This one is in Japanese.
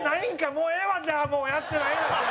もうええわじゃあもうやってないなら！